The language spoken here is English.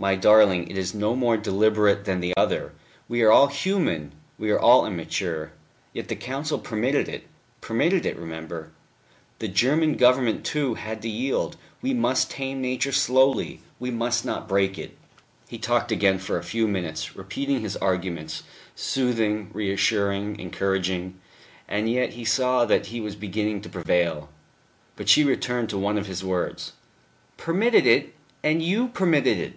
"My darling, it is no more deliberate than the other. We are all human, we are all immature. Yes, the Council permitted it, ... permitted it, remember. The German Government, too, had to yield. We must tame nature slowly, we must not break it." He talked again for a few minutes, repeating his arguments, soothing, reassuring, encouraging; and he saw that he was beginning to prevail. But she returned to one of his words. "Permitted it! And you permitted it."